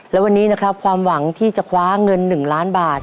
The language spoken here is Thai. และวันนี้นะครับความหวังที่จะคว้าเงิน๑ล้านบาท